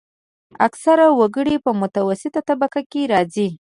اکثره وګړي په متوسطه طبقه کې راځي.